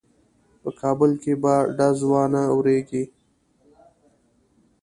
په کابل کې به ډز وانه وریږي.